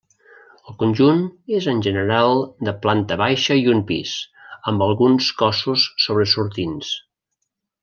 El conjunt és en general de planta baixa i un pis, amb alguns cossos sobresortints.